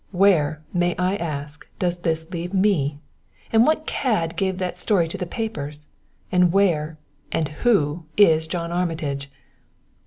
Where, may I ask, does this leave me? And what cad gave that story to the papers? And where and who is John Armitage?